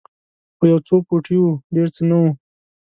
خو یو څو پوټي وو ډېر څه نه وو.